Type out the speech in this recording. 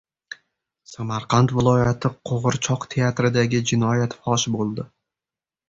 Samarqand viloyati qo‘g‘irchoq teatridagi jinoyat fosh bo‘ldi